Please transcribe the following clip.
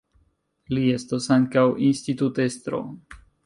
Li estas ankaŭ institutestro.